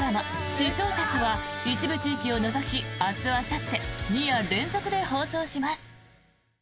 「私小説」は一部地域を除き明日あさって２夜連続で放送します。